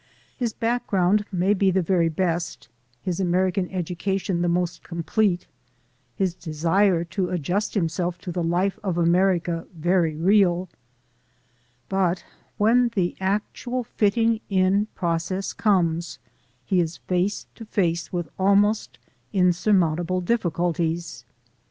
His back ground may be the very best, his American education the most complete, his desire to adjust himself to the life of America very real, but when the actual fitting in process comes, he is face to face with almost insurmountable difficulties.